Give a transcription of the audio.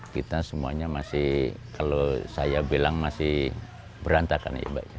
kita semuanya masih kalau saya bilang masih berantakan